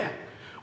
俺